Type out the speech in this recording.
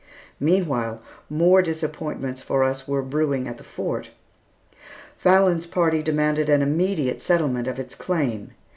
Meanwhile, more disappointments for us were brewing at the fort. Fallon's party demanded an immediate settlement of its claim.